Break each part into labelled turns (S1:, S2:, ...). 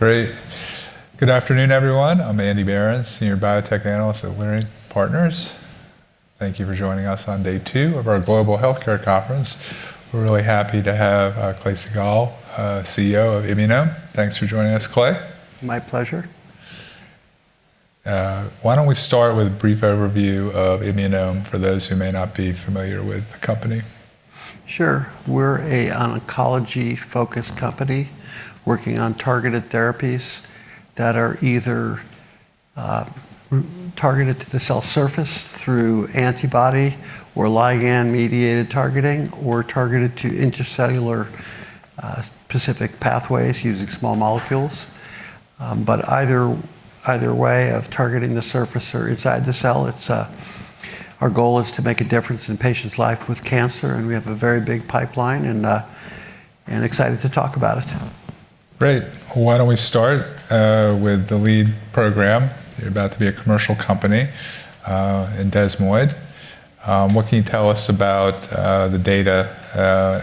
S1: Great. Good afternoon, everyone. I'm Andrew Berens, Senior Biotech Analyst at Leerink Partners. Thank you for joining us on day two of our Global Healthcare Conference. We're really happy to have Clay Siegall, CEO of Immunome. Thanks for joining us, Clay.
S2: My pleasure.
S1: Why don't we start with a brief overview of Immunome for those who may not be familiar with the company?
S2: Sure. We're an oncology-focused company working on targeted therapies that are either targeted to the cell surface through antibody or ligand-mediated targeting, or targeted to intracellular specific pathways using small molecules. Either way of targeting the surface or inside the cell, our goal is to make a difference in patients' life with cancer, and we have a very big pipeline and excited to talk about it.
S1: Great. Why don't we start with the lead program? You're about to be a commercial company in desmoid. What can you tell us about the data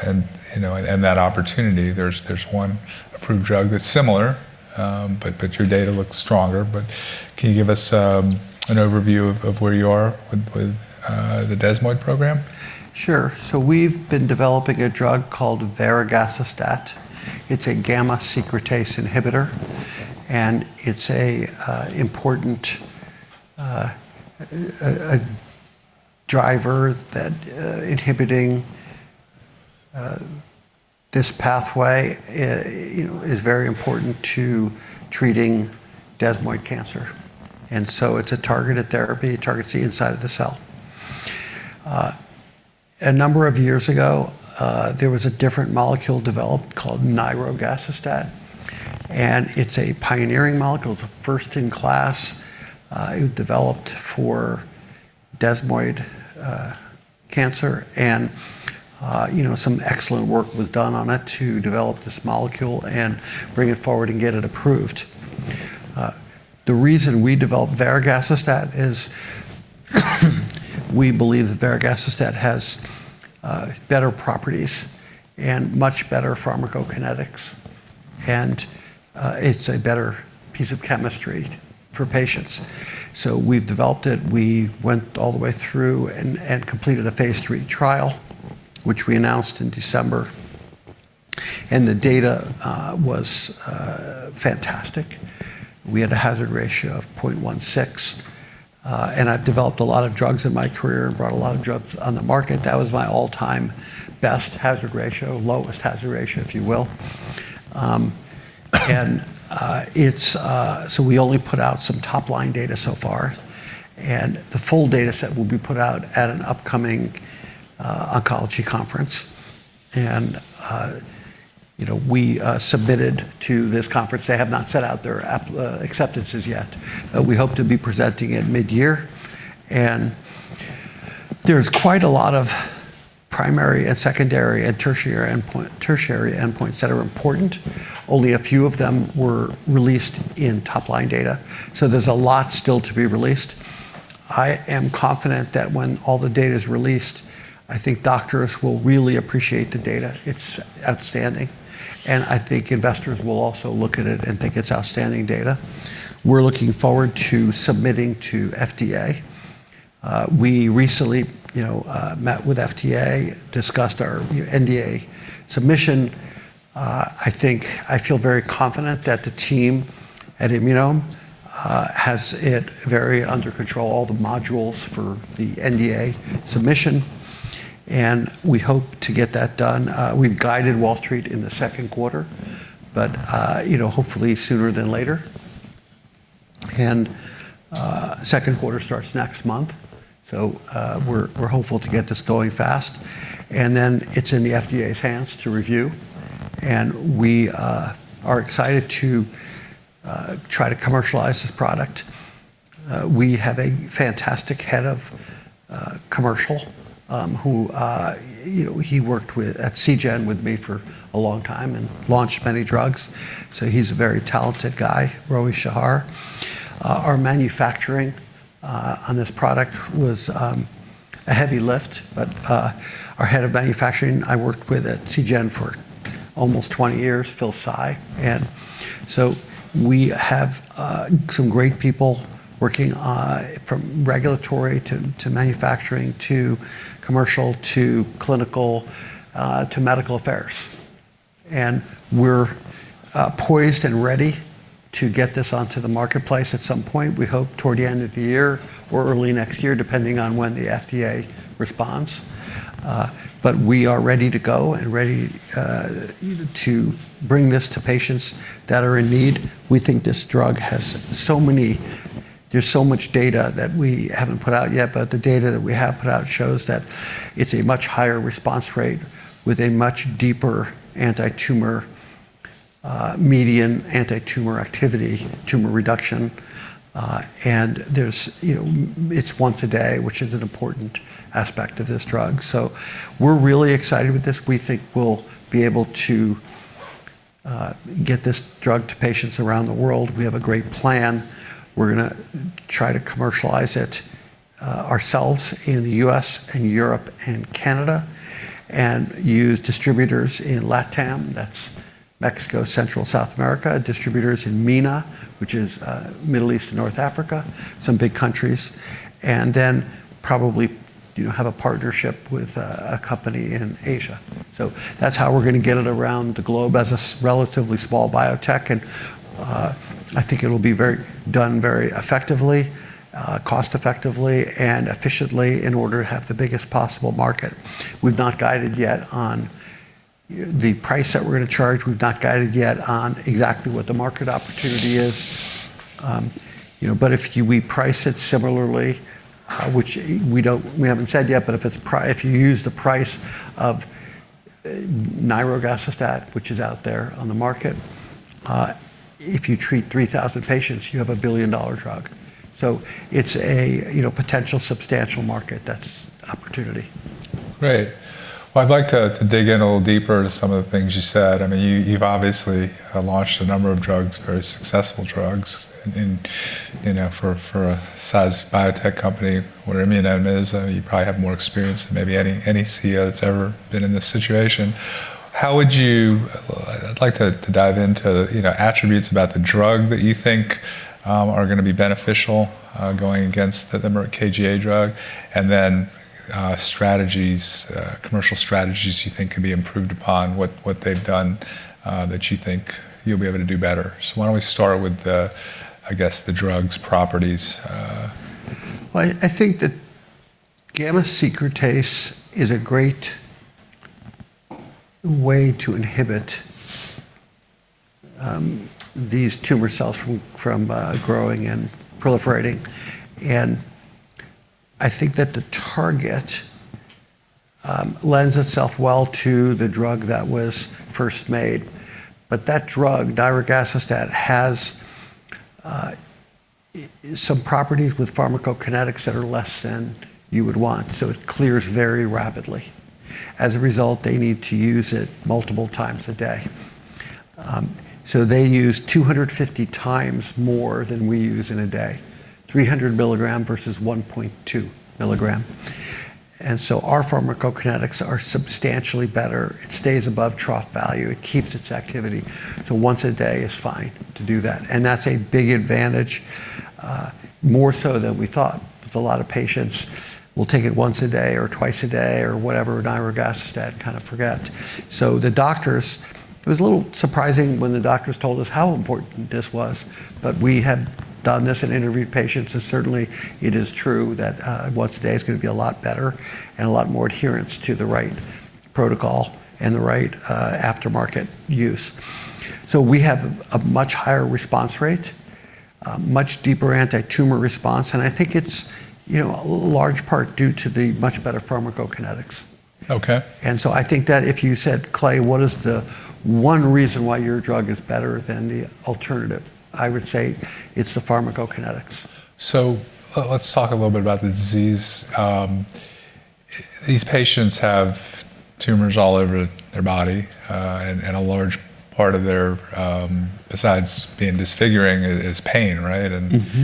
S1: and, you know, and that opportunity? There's one approved drug that's similar, but your data looks stronger. Can you give us an overview of where you are with the desmoid program?
S2: Sure. We've been developing a drug called Varegacestat. It's a gamma secretase inhibitor, and it's an important driver that inhibiting this pathway, you know, is very important to treating desmoid cancer. It's a targeted therapy. It targets the inside of the cell. A number of years ago, there was a different molecule developed called nirogacestat, and it's a pioneering molecule. It's a first-in-class developed for desmoid cancer. You know, some excellent work was done on it to develop this molecule and bring it forward and get it approved. The reason we developed Varegacestat is we believe that Varegacestat has better properties and much better pharmacokinetics, and it's a better piece of chemistry for patients. We've developed it. We went all the way through and completed a phase III trial, which we announced in December, and the data was fantastic. We had a hazard ratio of 0.16. I've developed a lot of drugs in my career and brought a lot of drugs on the market. That was my all-time best hazard ratio, lowest hazard ratio, if you will. We only put out some top-line data so far, and the full dataset will be put out at an upcoming oncology conference. We submitted to this conference. They have not sent out their acceptances yet. We hope to be presenting it mid-year. There's quite a lot of primary and secondary and tertiary endpoints that are important. Only a few of them were released in top-line data, so there's a lot still to be released. I am confident that when all the data is released, I think doctors will really appreciate the data. It's outstanding, and I think investors will also look at it and think it's outstanding data. We're looking forward to submitting to FDA. We recently, you know, met with FDA, discussed our NDA submission. I think I feel very confident that the team at Immunome has it very under control, all the modules for the NDA submission, and we hope to get that done. We've guided Wall Street in the second quarter, but, you know, hopefully sooner than later. Second quarter starts next month, so we're hopeful to get this going fast. It's in the FDA's hands to review, and we are excited to try to commercialize this product. We have a fantastic head of commercial, who you know, he worked with at Seagen with me for a long time and launched many drugs, so he's a very talented guy, Roee Shahar. Our manufacturing on this product was a heavy lift, but our head of manufacturing, I worked with at Seagen for almost 20 years, Phil Tsai. We have some great people working from regulatory to manufacturing to commercial to clinical to medical affairs. We're poised and ready to get this onto the marketplace at some point. We hope toward the end of the year or early next year, depending on when the FDA responds. We are ready to go and ready, you know, to bring this to patients that are in need. We think this drug has so much data that we haven't put out yet, but the data that we have put out shows that it's a much higher response rate with a much deeper antitumor, median antitumor activity, tumor reduction. There's, you know, it's once a day, which is an important aspect of this drug. We're really excited with this. We think we'll be able to get this drug to patients around the world. We have a great plan. We're gonna try to commercialize it ourselves in the U.S. and Europe and Canada, and use distributors in Latam, that's Mexico, Central, South America, distributors in MENA, which is Middle East and North Africa, some big countries, and then probably, you know, have a partnership with a company in Asia. That's how we're gonna get it around the globe as a relatively small biotech, and I think it'll be very done very effectively, cost effectively and efficiently in order to have the biggest possible market. We've not guided yet on the price that we're gonna charge. We've not guided yet on exactly what the market opportunity is, you know. We price it similarly, which we don't, we haven't said yet, if you use the price of nirogacestat, which is out there on the market, if you treat 3,000 patients, you have a billion-dollar drug. It's a, you know, potential substantial market that's opportunity.
S1: Great. Well, I'd like to dig in a little deeper into some of the things you said. I mean, you've obviously launched a number of drugs, very successful drugs in, you know, for a size biotech company or immuno-onc, you probably have more experience than maybe any CEO that's ever been in this situation. I'd like to dive into, you know, attributes about the drug that you think are gonna be beneficial, going against the Merck KGaA drug, and then strategies, commercial strategies you think could be improved upon what they've done, that you think you'll be able to do better. Why don't we start with the, I guess, the drug's properties.
S2: Well, I think that gamma secretase is a great way to inhibit these tumor cells from growing and proliferating, and I think that the target lends itself well to the drug that was first made. That drug, Nirogacestat, has some properties with pharmacokinetics that are less than you would want, so it clears very rapidly. As a result, they need to use it multiple times a day. They use 250 times more than we use in a day, 300 milligram versus 1.2 milligram. Our pharmacokinetics are substantially better. It stays above trough value. It keeps its activity, so once a day is fine to do that. That's a big advantage, more so than we thought. A lot of patients will take it once a day or twice a day or whatever, Nirogacestat kind of forget. It was a little surprising when the doctors told us how important this was, but we had done this and interviewed patients, and certainly it is true that once a day is gonna be a lot better and a lot more adherence to the right protocol and the right aftermarket use. We have a much higher response rate, a much deeper anti-tumor response, and I think it's, you know, large part due to the much better pharmacokinetics.
S1: Okay.
S2: I think that if you said, "Clay, what is the one reason why your drug is better than the alternative?" I would say it's the pharmacokinetics.
S1: Let's talk a little bit about the disease. These patients have tumors all over their body, and a large part of their, besides being disfiguring, is pain, right?
S2: Mm-hmm.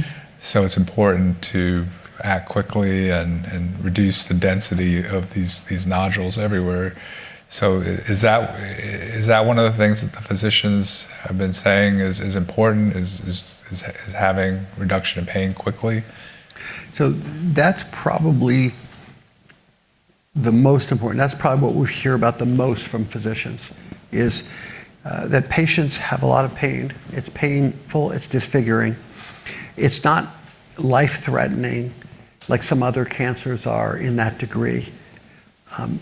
S1: It's important to act quickly and reduce the density of these nodules everywhere. Is that one of the things that the physicians have been saying is having reduction in pain quickly?
S2: That's probably the most important. That's probably what we hear about the most from physicians is, that patients have a lot of pain. It's painful. It's disfiguring. It's not life-threatening like some other cancers are in that degree.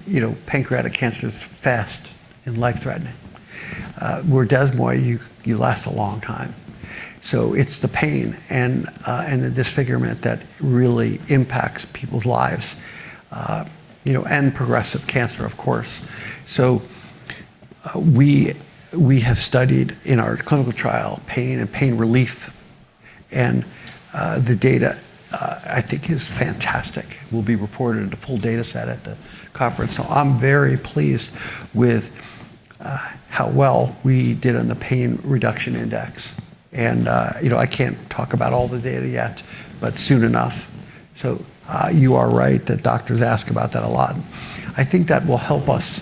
S2: You know, pancreatic cancer is fast and life-threatening. Where desmoid, you last a long time. It's the pain and the disfigurement that really impacts people's lives, you know, and progressive cancer, of course. We have studied in our clinical trial pain and pain relief, and the data, I think is fantastic, will be reported in the full data set at the conference. I'm very pleased with how well we did on the pain reduction index. You know, I can't talk about all the data yet, but soon enough. You are right that doctors ask about that a lot. I think that will help us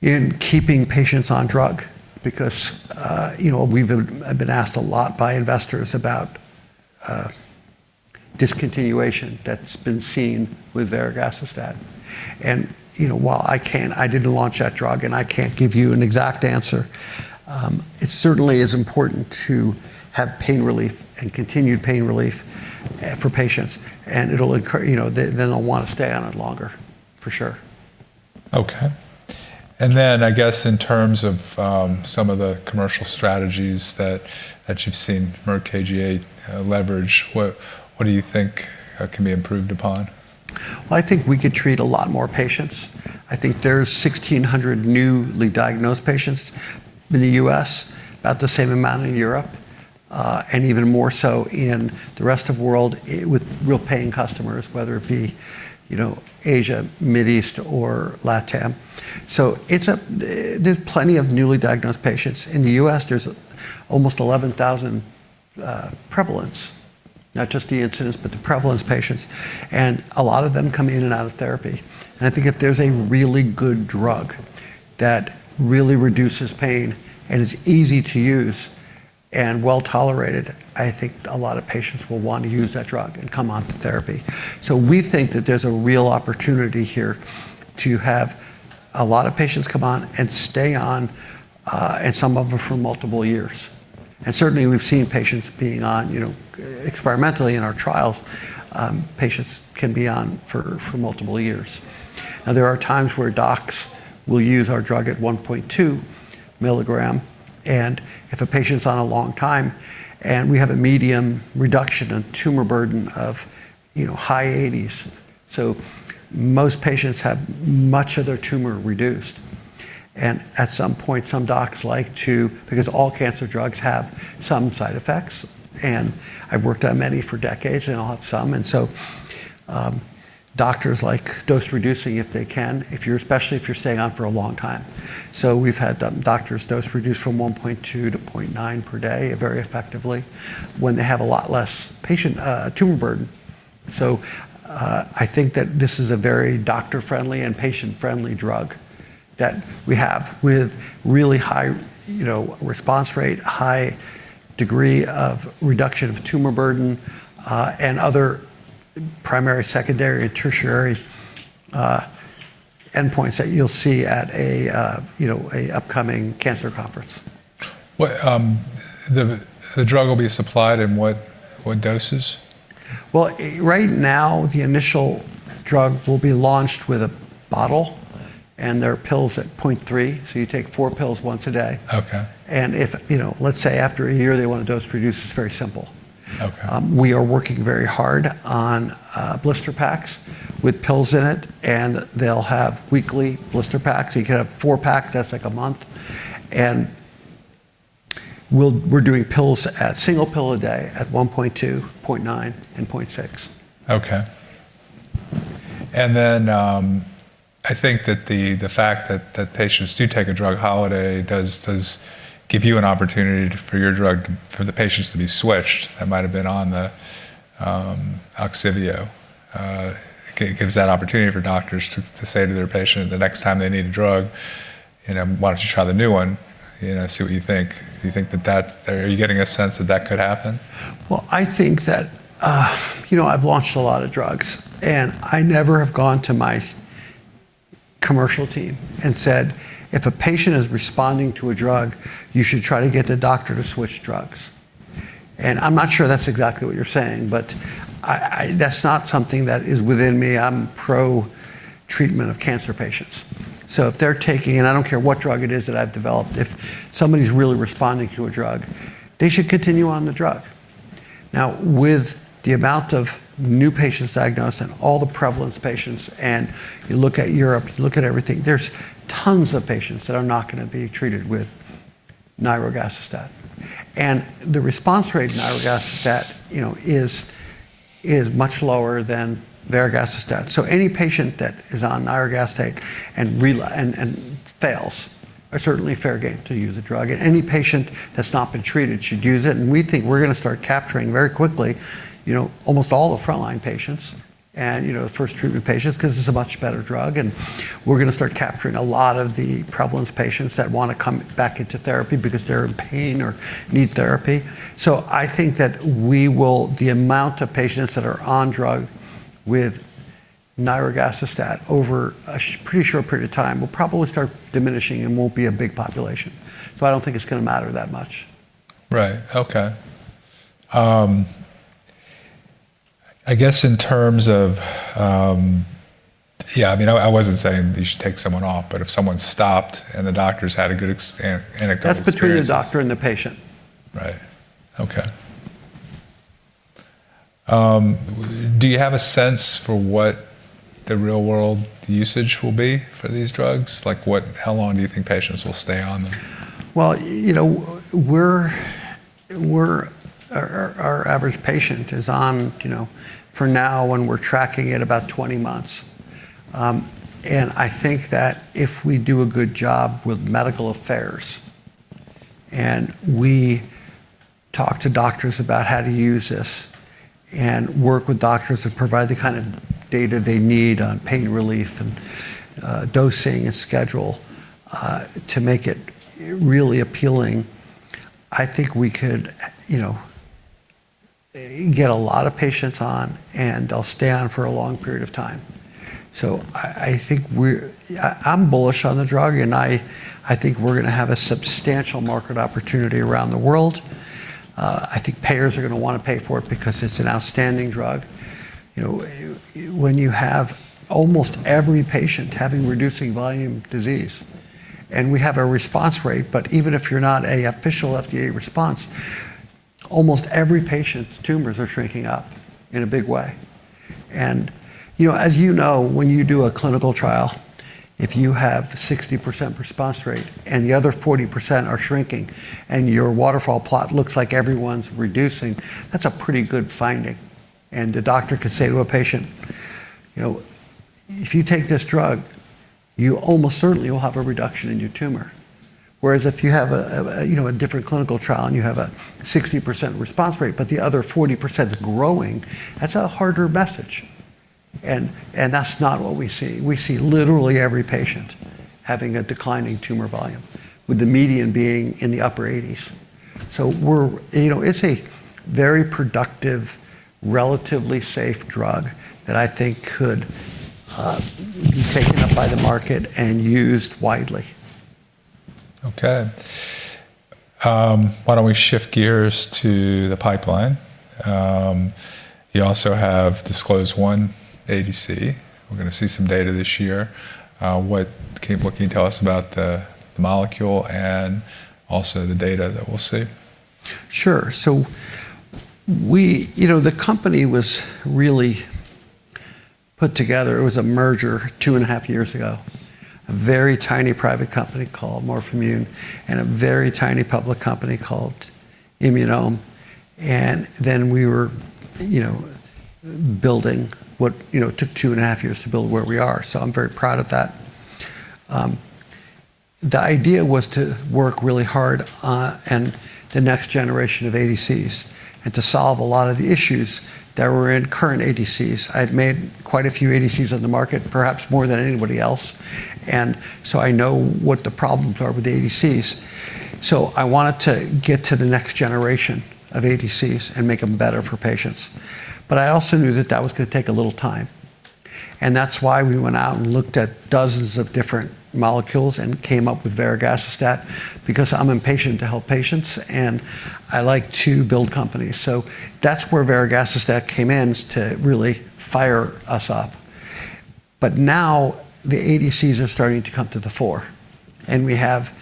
S2: in keeping patients on drug because, you know, we've been asked a lot by investors about discontinuation that's been seen with Varegacestat. You know, while I can't, I didn't launch that drug, and I can't give you an exact answer, it certainly is important to have pain relief and continued pain relief for patients, and it'll ensure, you know, they'll want to stay on it longer, for sure.
S1: Okay. I guess in terms of some of the commercial strategies that you've seen Merck KGaA leverage, what do you think can be improved upon?
S2: Well, I think we could treat a lot more patients. I think there's 1,600 newly diagnosed patients in the U.S., about the same amount in Europe, and even more so in the rest of world, with real paying customers, whether it be, you know, Asia, Middle East, or LatAm. There's plenty of newly diagnosed patients. In the U.S., there's almost 11,000 prevalence, not just the incidence, but the prevalence patients, and a lot of them come in and out of therapy. I think if there's a really good drug that really reduces pain and is easy to use and well-tolerated, I think a lot of patients will want to use that drug and come on to therapy. We think that there's a real opportunity here to have a lot of patients come on and stay on, and some of them for multiple years. Certainly we've seen patients being on, you know, experimentally in our trials, patients can be on for multiple years. Now, there are times where docs will use our drug at 1.2 milligrams, and if a patient's on a long time and we have a median reduction in tumor burden of, you know, high 80s, so most patients have much of their tumor reduced. At some point, some docs like to because all cancer drugs have some side effects, and I've worked on many for decades, and I'll have some. Doctors like dose reducing if they can, especially if you're staying on for a long time. We've had doctors dose reduce from 1.2 to 0.9 per day very effectively when they have a lot less patient tumor burden. I think that this is a very doctor-friendly and patient-friendly drug that we have with really high, you know, response rate, high degree of reduction of tumor burden, and other primary, secondary, and tertiary endpoints that you'll see at an upcoming cancer conference.
S1: Well, the drug will be supplied in what doses?
S2: Well, right now, the initial drug will be launched with a bottle, and there are pills at 0.3. You take four pills once a day.
S1: Okay.
S2: If, you know, let's say after a year they want to dose reduce, it's very simple.
S1: Okay.
S2: We are working very hard on blister packs with pills in it, and they'll have weekly blister packs. You can have four-pack, that's like a month. We're doing pills, single pill a day at 1.2, 0.9, and 0.6.
S1: Okay. I think that the fact that patients do take a drug holiday does give you an opportunity for the patients to be switched, that might have been on the Ogsiveo. Gives that opportunity for doctors to say to their patient the next time they need a drug, you know, "Why don't you try the new one, you know, see what you think." Are you getting a sense that could happen?
S2: Well, I think that, you know, I've launched a lot of drugs, and I never have gone to my commercial team and said, "If a patient is responding to a drug, you should try to get the doctor to switch drugs." I'm not sure that's exactly what you're saying, but I-- that's not something that is within me. I'm pro-treatment of cancer patients. If they're taking, and I don't care what drug it is that I've developed, if somebody's really responding to a drug, they should continue on the drug. Now, with the amount of new patients diagnosed and all the prevalent patients, and you look at Europe, you look at everything, there's tons of patients that are not gonna be treated with nirogacestat. The response rate nirogacestat, you know, is much lower than Varegacestat. Any patient that is on nirogacestat and fails are certainly fair game to use the drug, and any patient that's not been treated should use it. We think we're gonna start capturing very quickly, you know, almost all the frontline patients and, you know, first treatment patients 'cause it's a much better drug, and we're gonna start capturing a lot of the prevalence patients that wanna come back into therapy because they're in pain or need therapy. I think that the amount of patients that are on drug with nirogacestat over a pretty short period of time will probably start diminishing and won't be a big population. I don't think it's gonna matter that much.
S1: Right. Okay. I guess in terms of. Yeah, I mean, I wasn't saying that you should take someone off, but if someone stopped and the doctors had a good anecdotal experience.
S2: That's between the doctor and the patient.
S1: Right. Okay. Do you have a sense for what the real world usage will be for these drugs? Like, how long do you think patients will stay on them?
S2: You know, our average patient is on, you know, for now and we're tracking it about 20 months. I think that if we do a good job with medical affairs and we talk to doctors about how to use this and work with doctors to provide the kind of data they need on pain relief and dosing and schedule to make it really appealing, I think we could, you know, get a lot of patients on and they'll stay on for a long period of time. I think I'm bullish on the drug and I think we're gonna have a substantial market opportunity around the world. I think payers are gonna wanna pay for it because it's an outstanding drug. You know, when you have almost every patient having reducing volume disease and we have a response rate, but even if you're not a official FDA response, almost every patient's tumors are shrinking up in a big way. You know, as you know, when you do a clinical trial. If you have the 60% response rate and the other 40% are shrinking and your waterfall plot looks like everyone's reducing, that's a pretty good finding. The doctor could say to a patient, you know, "If you take this drug, you almost certainly will have a reduction in your tumor." Whereas if you have a you know, a different clinical trial and you have a 60% response rate, but the other 40% is growing, that's a harder message. That's not what we see. We see literally every patient having a declining tumor volume with the median being in the upper 80s%. You know, it's a very productive, relatively safe drug that I think could be taken up by the market and used widely.
S1: Okay. Why don't we shift gears to the pipeline? You also have disclosed one ADC. We're gonna see some data this year. What can you tell us about the molecule and also the data that we'll see?
S2: Sure. You know, the company was really put together, it was a merger two and a half years ago. A very tiny private company called MorphImmune and a very tiny public company called Immunome and then we were, you know, building. You know, took two and a half years to build where we are, I'm very proud of that. The idea was to work really hard on the next generation of ADCs and to solve a lot of the issues that were in current ADCs. I'd made quite a few ADCs on the market, perhaps more than anybody else, and so I know what the problems are with ADCs. I wanted to get to the next generation of ADCs and make them better for patients. I also knew that that was gonna take a little time, and that's why we went out and looked at dozens of different molecules and came up with Varegacestat because I'm impatient to help patients, and I like to build companies. That's where Varegacestat came in, is to really fire us up. Now the ADCs are starting to come to the fore, and we have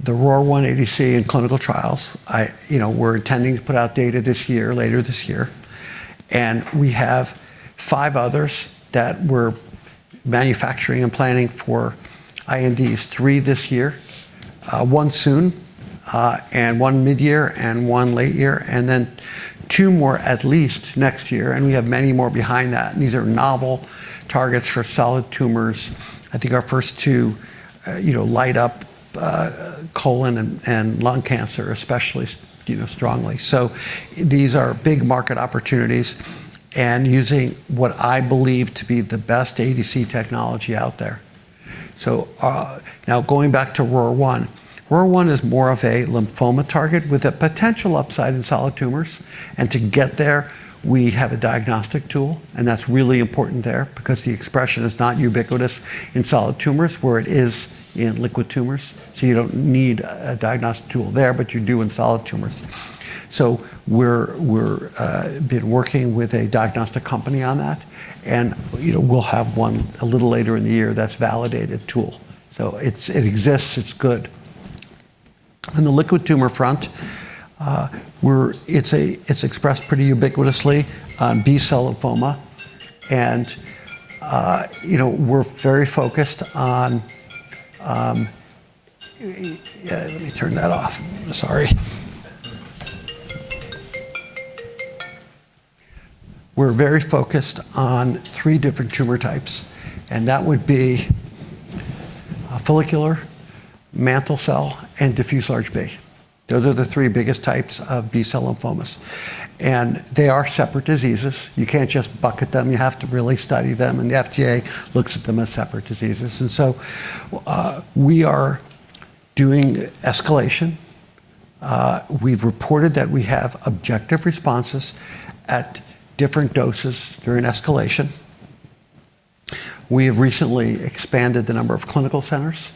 S2: the ROR1 ADC in clinical trials. You know, we're intending to put out data this year, later this year. We have five others that we're manufacturing and planning for INDs, three this year, one soon, and one midyear and one late year, and then two more at least next year, and we have many more behind that, and these are novel targets for solid tumors. I think our first two, you know, light up colon and lung cancer especially strongly. These are big market opportunities and using what I believe to be the best ADC technology out there. Now going back to ROR1. ROR1 is more of a lymphoma target with a potential upside in solid tumors. To get there, we have a diagnostic tool, and that's really important there because the expression is not ubiquitous in solid tumors where it is in liquid tumors. You don't need a diagnostic tool there, but you do in solid tumors. We're been working with a diagnostic company on that and, you know, we'll have one a little later in the year that's validated tool. It's, it exists. It's good. On the liquid tumor front, it's expressed pretty ubiquitously on B-cell lymphoma and we're very focused on three different tumor types and that would be follicular, mantle cell, and diffuse large B. Those are the three biggest types of B-cell lymphomas. They are separate diseases. You can't just bucket them. You have to really study them, and the FDA looks at them as separate diseases. We are doing escalation. We've reported that we have objective responses at different doses during escalation. We have recently expanded the number of clinical centers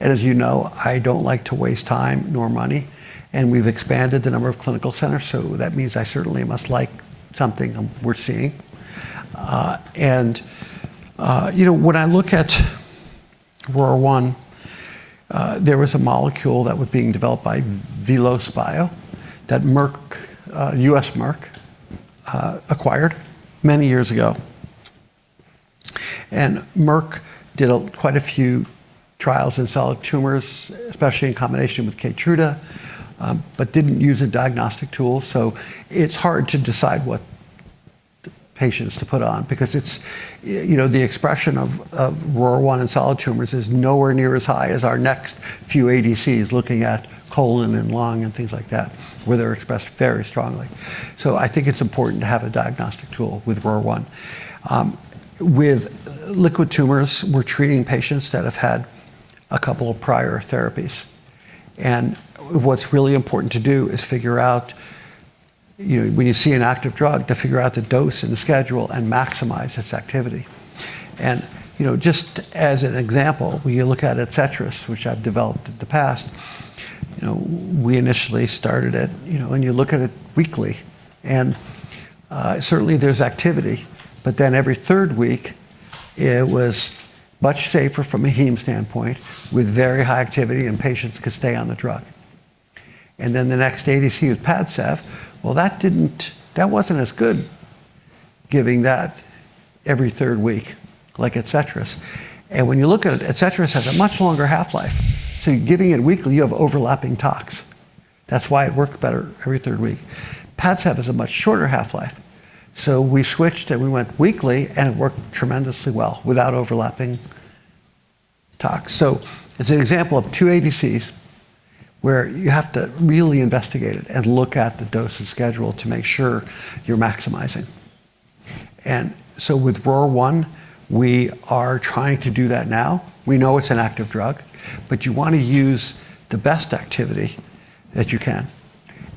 S2: and as you know, I don't like to waste time nor money, and we've expanded the number of clinical centers, so that means I certainly must like something we're seeing. You know, when I look at ROR1, there was a molecule that was being developed by VelosBio that Merck acquired many years ago. Merck did quite a few trials in solid tumors, especially in combination with Keytruda, but didn't use a diagnostic tool, so it's hard to decide what patients to put on because it's you know, the expression of ROR1 in solid tumors is nowhere near as high as our next few ADCs looking at colon and lung and things like that, where they're expressed very strongly. I think it's important to have a diagnostic tool with ROR1. With liquid tumors, we're treating patients that have had a couple of prior therapies. What's really important to do is figure out, you know, when you see an active drug, to figure out the dose and the schedule and maximize its activity. You know, just as an example, when you look at Adcetris, which I've developed in the past, you know, we initially started it, you know, when you look at it weekly, and certainly there's activity, but then every third week, it was much safer from a heme standpoint with very high activity and patients could stay on the drug. The next ADC was Padcev. Well, that wasn't as good giving that every third week like Adcetris. When you look at it, Adcetris has a much longer half-life. Giving it weekly, you have overlapping tox. That's why it worked better every third week. Padcev has a much shorter half-life. We switched and we went weekly, and it worked tremendously well without overlapping tox. It's an example of two ADCs where you have to really investigate it and look at the dosing schedule to make sure you're maximizing. With ROR1, we are trying to do that now. We know it's an active drug, but you want to use the best activity that you can,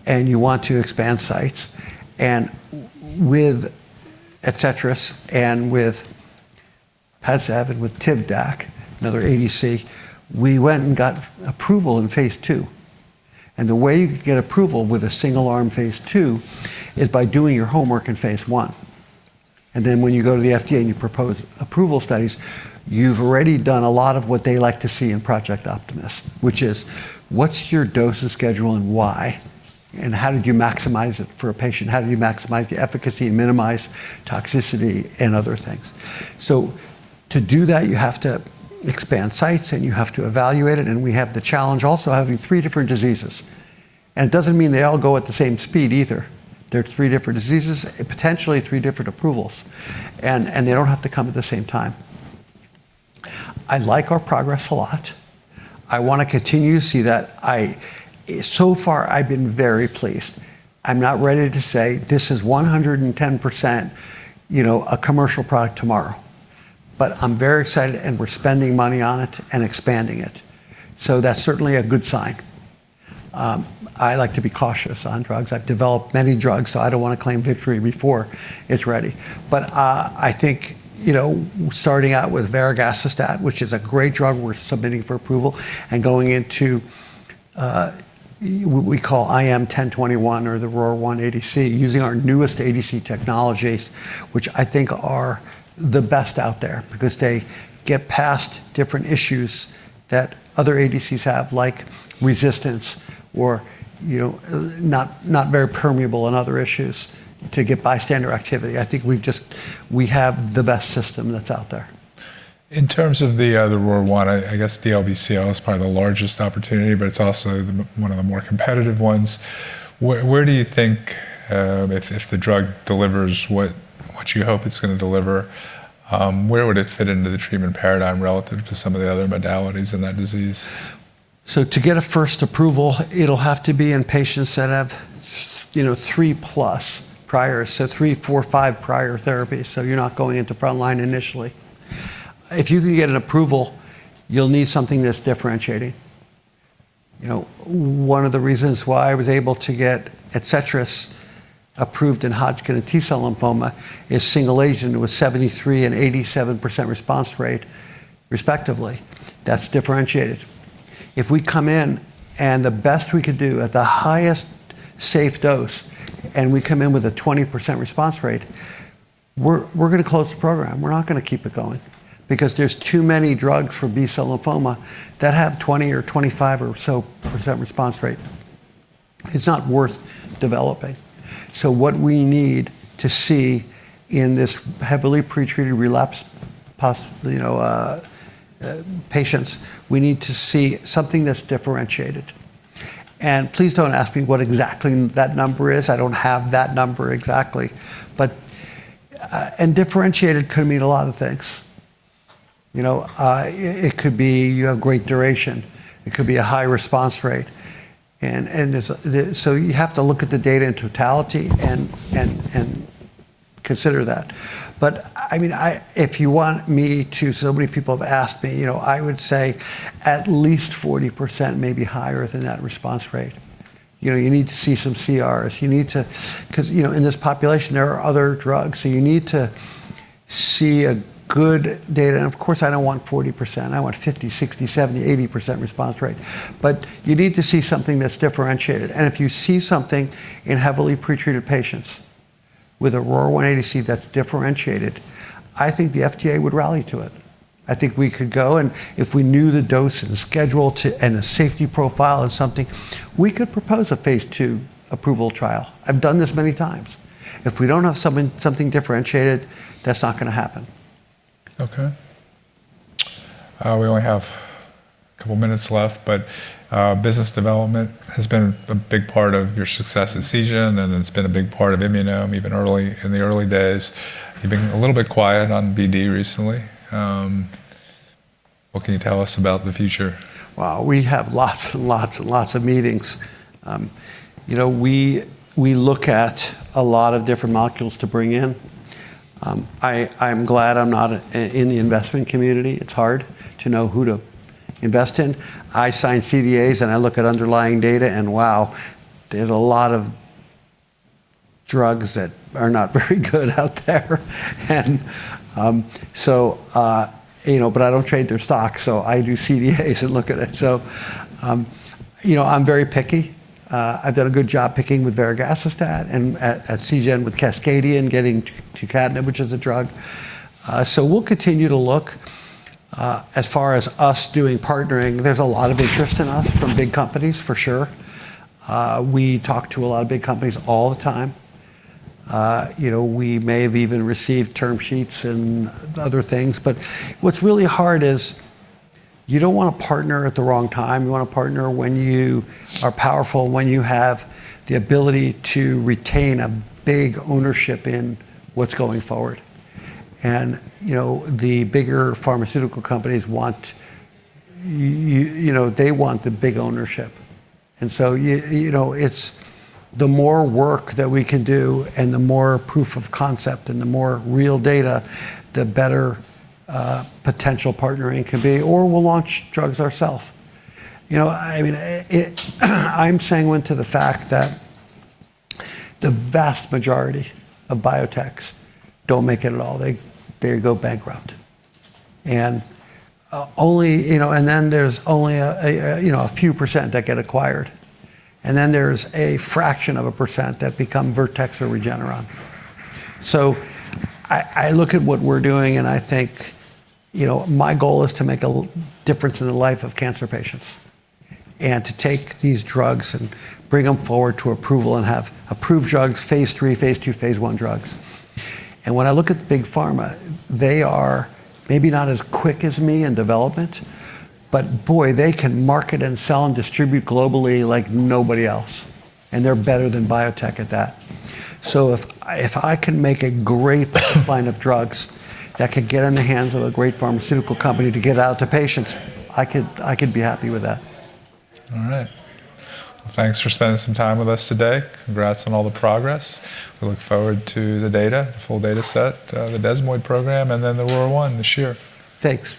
S2: and you want to expand sites. With Adcetris and with Padcev and with Tivdak, another ADC, we went and got approval in phase II. The way you get approval with a single-arm phase II is by doing your homework in phase I. When you go to the FDA and you propose approval studies, you've already done a lot of what they like to see in Project Optimus, which is what's your dosing schedule and why? How did you maximize it for a patient? How did you maximize the efficacy and minimize toxicity and other things? To do that, you have to expand sites and you have to evaluate it. We have the challenge also of having three different diseases. It doesn't mean they all go at the same speed either. They're three different diseases and potentially three different approvals. They don't have to come at the same time. I like our progress a lot. I want to continue to see that. So far, I've been very pleased. I'm not ready to say this is 110%, you know, a commercial product tomorrow. I'm very excited, and we're spending money on it and expanding it. That's certainly a good sign. I like to be cautious on drugs. I've developed many drugs, so I don't want to claim victory before it's ready. I think, you know, starting out with Varegacestat, which is a great drug we're submitting for approval, and going into, we call IM-1021 or the ROR1 ADC using our newest ADC technologies, which I think are the best out there because they get past different issues that other ADCs have, like resistance or, you know, not very permeable and other issues to get bystander activity. I think we have the best system that's out there.
S1: In terms of the other ROR1, I guess DLBCL is probably the largest opportunity, but it's also the one of the more competitive ones. Where do you think, if the drug delivers what you hope it's going to deliver, where would it fit into the treatment paradigm relative to some of the other modalities in that disease?
S2: To get a first approval, it'll have to be in patients that have, you know, 3+ prior, so 3, 4, 5 prior therapies, so you're not going into front line initially. If you can get an approval, you'll need something that's differentiating. You know, one of the reasons why I was able to get Adcetris approved in Hodgkin and T-cell lymphoma is single agent with 73% and 87% response rate respectively. That's differentiated. If we come in and the best we could do at the highest safe dose, and we come in with a 20% response rate, we're going to close the program. We're not going to keep it going because there's too many drugs for B-cell lymphoma that have 20 or 25 or so percentage response rate. It's not worth developing. What we need to see in this heavily pretreated relapsed patients, we need to see something that's differentiated. Please don't ask me what exactly that number is. I don't have that number exactly. Differentiated could mean a lot of things. You know, it could be you have great duration, it could be a high response rate. It's so you have to look at the data in totality and consider that. I mean, so many people have asked me, you know, I would say at least 40%, maybe higher than that response rate. You know, you need to see some CRs. You need 'cause, you know, in this population, there are other drugs. You need to see a good data. Of course, I don't want 40%. I want 50%, 60%, 70%, 80% response rate. You need to see something that's differentiated. If you see something in heavily pretreated patients with a ROR1 ADC that's differentiated, I think the FDA would rally to it. I think we could go, and if we knew the dose and the schedule and the safety profile of something, we could propose a phase II approval trial. I've done this many times. If we don't have something differentiated, that's not going to happen.
S1: Okay. We only have a couple minutes left, but business development has been a big part of your success at Seagen, and it's been a big part of Immunome even in the early days. You've been a little bit quiet on BD recently. What can you tell us about the future?
S2: Well, we have lots of meetings. You know, we look at a lot of different molecules to bring in. I'm glad I'm not in the investment community. It's hard to know who to invest in. I sign CDAs and I look at underlying data and wow, there's a lot of drugs that are not very good out there. You know, but I don't trade their stock, so I do CDAs and look at it. You know, I'm very picky. I've done a good job picking with Varegacestat and at Seagen with Cascadian getting to Tucatinib, which is a drug. We'll continue to look. As far as us doing partnering, there's a lot of interest in us from big companies, for sure. We talk to a lot of big companies all the time. You know, we may have even received term sheets and other things, but what's really hard is you don't wanna partner at the wrong time. You wanna partner when you are powerful, when you have the ability to retain a big ownership in what's going forward. You know, the bigger pharmaceutical companies want you know, they want the big ownership. You know, it's the more work that we can do and the more proof of concept and the more real data, the better potential partnering can be, or we'll launch drugs ourself. You know, I mean, I'm sanguine to the fact that the vast majority of biotechs don't make it at all. They go bankrupt. You know, and then there's only a few percent that get acquired, and then there's a fraction of a percent that become Vertex or Regeneron. I look at what we're doing, and I think, you know, my goal is to make a difference in the life of cancer patients and to take these drugs and bring them forward to approval and have approved drugs, phase III, phase II, phase II drugs. When I look at the big pharma, they are maybe not as quick as me in development, but boy, they can market and sell and distribute globally like nobody else, and they're better than biotech at that. If I can make a great line of drugs that could get in the hands of a great pharmaceutical company to get out to patients, I could be happy with that.
S1: All right. Thanks for spending some time with us today. Congrats on all the progress. We look forward to the data, the full data set, the desmoid program, and then the ROR1, the ADC.
S2: Thanks.